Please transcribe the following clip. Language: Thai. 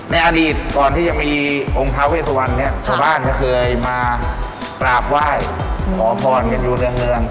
ในอดีตตอนที่จะมีองค์ท้าเวสวรรค์นี้ชาวบ้านเคยมาปราบไหว้ขอพรอยู่ในเมือง